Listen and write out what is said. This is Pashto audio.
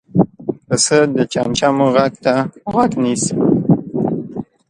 پسه د چمچمو غږ ته غوږ نیسي.